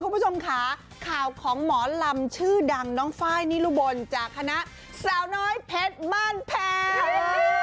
คุณผู้ชมค่ะข่าวของหมอลำชื่อดังน้องไฟล์นิรุบลจากคณะสาวน้อยเพชรบ้านแพง